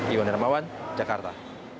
iwan hermawan jakarta